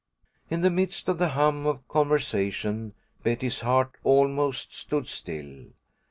In the midst of the hum of conversation Betty's heart almost stood still.